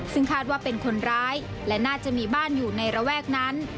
ซึ่งคาดว่าเป็นคนร้ายและน่าจะมีบ้านอยู่ในระแวกนั้น